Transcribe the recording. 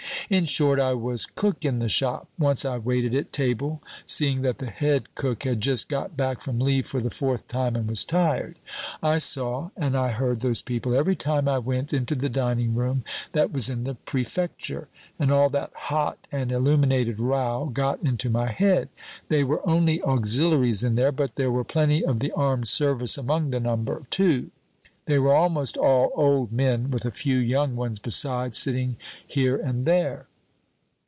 "In short, I was cook in the shop. Once I waited at table, seeing that the head cook had just got back from leave for the fourth time and was tired. I saw and I heard those people every time I went into the dining room, that was in the Prefecture, and all that hot and illuminated row got into my head. They were only auxiliaries in there, but there were plenty of the armed service among the number, too. They were almost all old men, with a few young ones besides, sitting here and there.